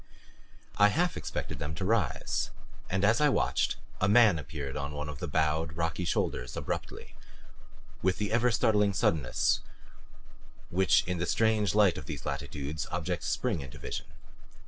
I half expected them to rise and as I watched a man appeared on one of the bowed, rocky shoulders, abruptly, with the ever startling suddenness which in the strange light of these latitudes objects spring into vision.